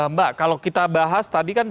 mbak kalau kita bahas tadi kan